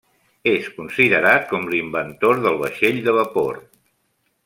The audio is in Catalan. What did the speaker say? És considerat com l'inventor del vaixell de vapor.